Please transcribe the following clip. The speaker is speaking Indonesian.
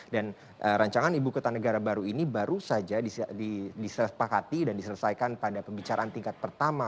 dan rancangan ibu kota negara baru ini baru saja disepakati dan diselesaikan pada pembicaraan tingkat pertama